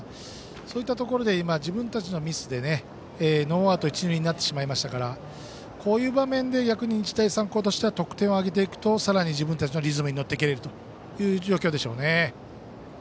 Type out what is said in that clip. そういったところで自分たちのミスでノーアウト一、二塁になってしまいましたからこういう場面で、逆に日大三高は得点を挙げていくとさらに自分たちがリズムに乗っていける状況でしょうね。